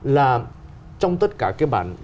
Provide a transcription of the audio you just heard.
là trong tất cả cái bản